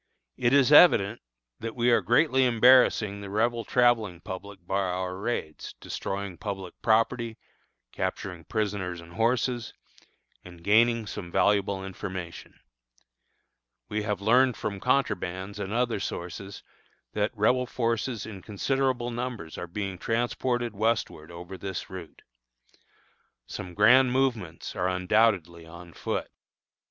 It is evident that we are greatly embarrassing the Rebel travelling public by our raids, destroying public property, capturing prisoners and horses, and gaining some valuable information. We have learned from contrabands and other sources that Rebel forces in considerable numbers are being transported westward over this route. Some grand movements are undoubtedly on foot.